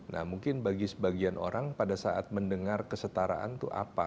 nah mungkin bagi sebagian orang pada saat mendengar kesetaraan itu apa